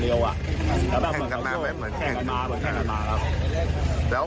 แล้วแบบเหมือนเขาชนแข่งกันมาเหมือนแข่งกันมาครับ